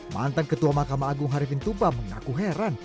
mantan ketua mahkamah agung harifin tuba mengaku heran